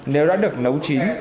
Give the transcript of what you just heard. nếu đã được nấu chín